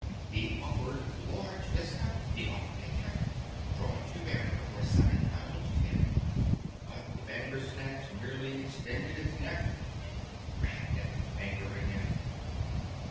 He offered large discount he offered a cheque (Drawn "to bearer") for seven pounds ten: But the Bandersnatch merely extended its neck And grabbed at the Banker again.